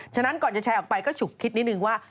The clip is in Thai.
ฉะนั้นก่อนจะแชร์ออกไปก็ฉุกคิดนิดนึงว่า